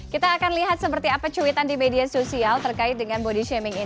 kita akan lihat seperti apa cuitan di media sosial terkait dengan body shaming ini